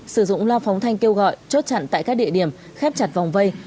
sử dụng loa phóng thanh kêu gọi chốt chặn tại các địa điểm khép chặt vòng vây